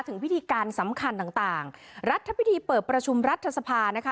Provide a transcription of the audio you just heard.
ถึงวิธีการสำคัญต่างต่างรัฐพิธีเปิดประชุมรัฐสภานะคะ